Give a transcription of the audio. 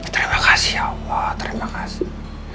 terima kasih allah terima kasih